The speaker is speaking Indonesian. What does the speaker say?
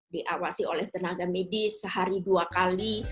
diawasi oleh tenaga medis sehari dua kali